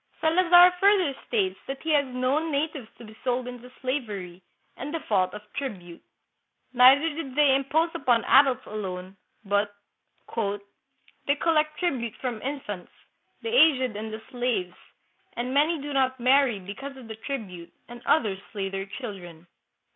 Salazar further states that he has known natives to be sold into slavery, in default of tribute. Neither did they impose upon adults alone, but " they collect tribute from infants, the aged and the slaves, and many do not marry because of the tribute, and others slay their children."